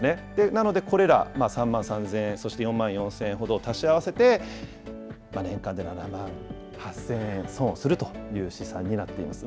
なので、これら３万３０００円、そして４万４０００円ほどを足し合わせて、年間で７万８０００円損をするという試算になっています。